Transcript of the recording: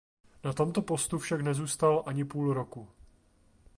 Na tomto postu však nezůstal ani půl roku.